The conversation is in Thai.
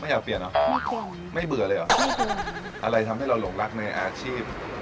ไม่อยากเปลี่ยนเหรอไม่เปลี่ยนไม่เบื่อเลยเหรอไม่เบื่ออะไรทำให้เราหลงรักในอาชีพ